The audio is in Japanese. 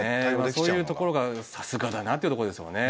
そういうところがさすがだなっていうとこですよね。